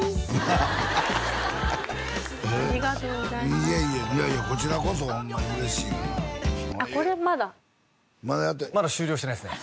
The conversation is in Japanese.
いえいえいやいやこちらこそホンマに嬉しいがなあっこれまだまだやってるまだ終了してないですね